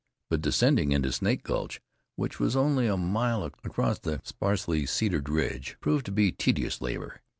But descending into Snake Gulch, which was only a mile across the sparsely cedared ridge, proved to be tedious labor.